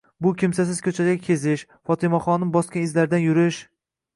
bu kimsasiz ko'chada kezish, Fotimaxonim bosgan izlardan yurish